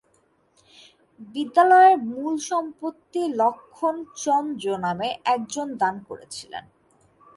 বিদ্যালয়ের মূল সম্পত্তি লক্ষ্মণ চন্দ্র নামে একজন দান করেছিলেন।